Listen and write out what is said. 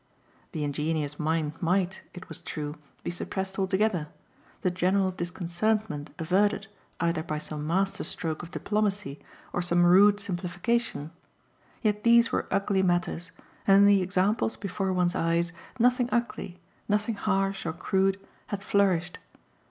The ingenuous mind might, it was true, be suppressed altogether, the general disconcertment averted either by some master stroke of diplomacy or some rude simplification; yet these were ugly matters, and in the examples before one's eyes nothing ugly, nothing harsh or crude, had flourished.